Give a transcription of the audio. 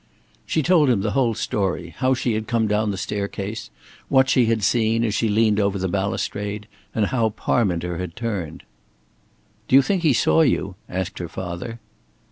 She told him the whole story, how she had come down the staircase, what she had seen, as she leaned over the balustrade, and how Parminter had turned. "Do you think he saw you?" asked her father.